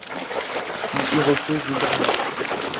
Il y repose désormais.